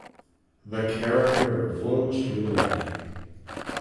The Carrot River flows through the riding.